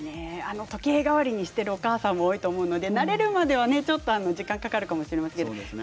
時計代わりにしているお母さんも多いと思うので、慣れるまでは時間がかかるかもしれません。